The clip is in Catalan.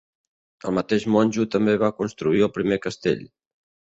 El mateix monjo també va construir el primer castell.